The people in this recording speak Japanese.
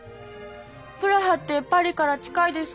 プラハってパリから近いですか？